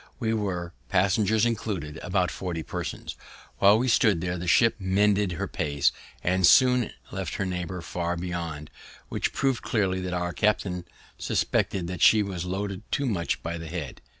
We were, passengers included, about forty persons. While we stood there, the ship mended her pace, and soon left her neighbour far behind, which prov'd clearly what our captain suspected, that she was loaded too much by the head.